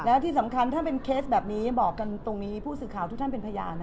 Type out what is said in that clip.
แล้วที่สำคัญถ้าเป็นเคสแบบนี้บอกกันตรงนี้ผู้สื่อข่าวทุกท่านเป็นพยาน